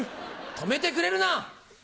止めてくれるな！